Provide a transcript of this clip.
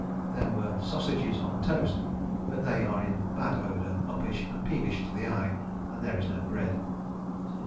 There were Sausages on Toast, but they are in bad odour, uppish, and peevish to the eye, and there is no bread.